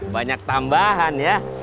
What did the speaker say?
banyak tambahan ya